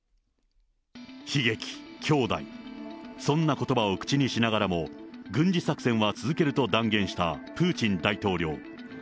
悲劇、兄弟、そんなことばを口にしながらも、軍事作戦は続けると断言したプーチン大統領。